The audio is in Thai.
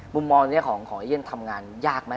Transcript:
บุมมองของเย่นทำงานยากไหม